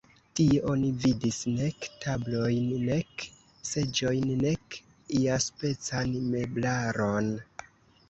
Tie oni vidis nek tablojn, nek seĝojn, nek iaspecan meblaron.